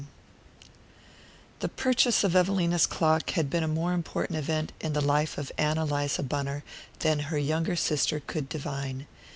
II The purchase of Evelina's clock had been a more important event in the life of Ann Eliza Bunner than her younger sister could divine.